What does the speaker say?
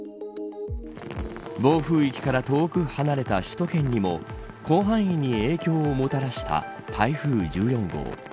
暴風域から遠く離れた首都圏にも広範囲に影響をもたらした台風１４号。